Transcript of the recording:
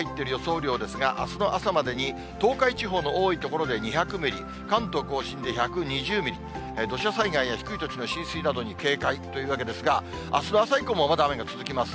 雨量ですが、あすの朝までに東海地方の多い所で２００ミリ、関東甲信で１２０ミリ、土砂災害や低い土地の浸水などに警戒というわけですが、あすの朝以降もまだ雨が続きます。